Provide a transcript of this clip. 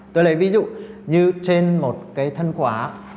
tôi lấy ví dụ như trên một cái thân quá